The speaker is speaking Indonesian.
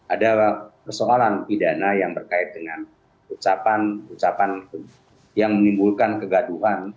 ada persoalan pidana yang berkait dengan ucapan ucapan yang menimbulkan kegaduhan